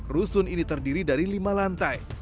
rusun ini terdiri dari lima lantai